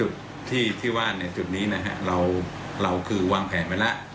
แต่จุดที่ว่าในจุดนี้นะครับเราคือวางแผนไปละ